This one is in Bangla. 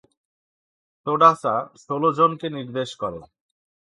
সোডাসা ষোল জনকে নির্দেশ করে।